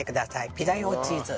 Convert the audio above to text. ピザ用チーズ。